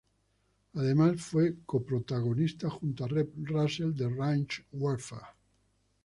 Además fue coprotagonista, junto a Reb Russell de "Range Warfare".